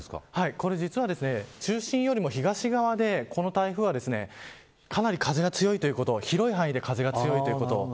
これ実は、中心よりも東側でこの台風はかなり風が強いということ広い範囲で風が強いということ。